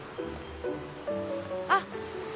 あっ！